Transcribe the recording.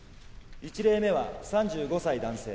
１例目は３５歳男性